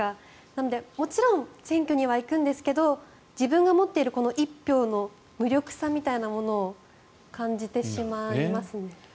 なので、もちろん選挙には行くんですけど自分が持っている１票の無力さみたいなものを感じてしまいますね。